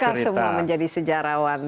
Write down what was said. karena mereka semua menjadi sejarawan